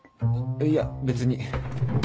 いや別に。